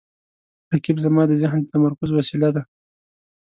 رقیب زما د ذهن د تمرکز وسیله ده